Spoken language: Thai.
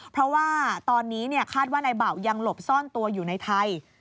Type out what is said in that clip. เพราะว่าตอนนี้คาดว่านายเบายังหลบซ่อนตัวอยู่ในไทย